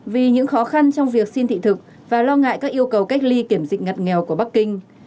vì những khó khăn trong việc xin thị thực và lo ngại các yêu cầu cách ly kiểm dịch ngặt nghèo của bắc kinh